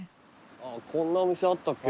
こんなお店あったっけ。